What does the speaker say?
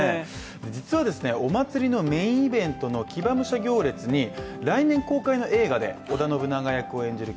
実は、お祭りのメインイベントの騎馬武者行列に来年公開の映画で織田信長役を演じる